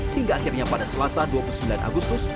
hingga akhirnya pada selasa dua puluh sembilan agustus